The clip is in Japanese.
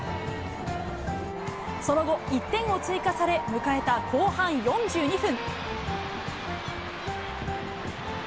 その後、１点を追加され迎えた後半４２分。